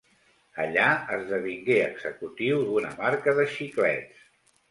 Allà, esdevingué executiu d'una marca de xiclets.